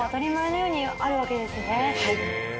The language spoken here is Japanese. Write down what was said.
はい。